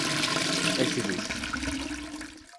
Akluc!